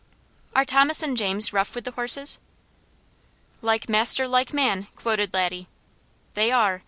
"Are Thomas and James rough with the horses?" "'Like master, like man,'" quoted Laddie. "They are!